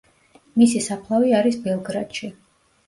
მისი საფლავი არის ბელგრადში.